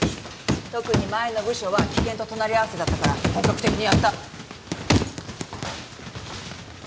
特に前の部署は危険と隣り合わせだったから本格的にやった。